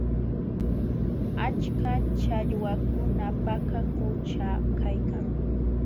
Achka challwakuna Paka qućha kaykan.